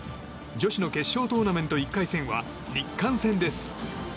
女子の決勝トーナメント１回戦は日韓戦です。